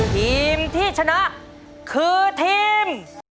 ทีมที่ชนะคือทีม